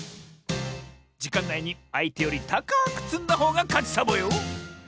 じかんないにあいてよりたかくつんだほうがかちサボよ！